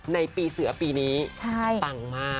ในปีเสือปีนี้ปังมาก